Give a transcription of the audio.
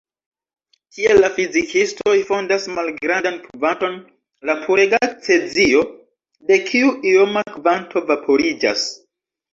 Tie la fizikistoj fandas malgrandan kvanton da purega cezio, de kiu ioma kvanto vaporiĝas.